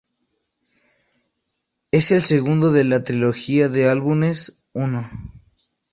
Es el segundo de la trilogía de álbumes "¡Uno!